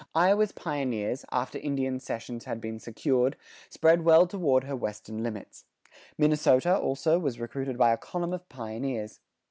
Iowa's pioneers, after Indian cessions had been secured, spread well toward her western limits. Minnesota, also, was recruited by a column of pioneers.